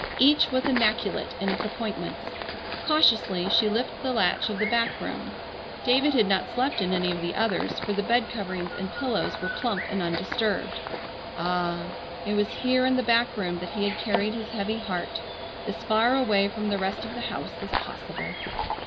Each was immaculate in its appointments. Cautiously she lifted the latch of the back room. David had not slept in any of the others, for the bedcoverings and pillows were plump and undisturbed. Ah! It was here in the back room that he had carried his heavy heart, as far away from the rest of the house as possible!